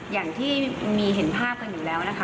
อย่างที่มีเห็นภาพกันอยู่แล้วนะคะ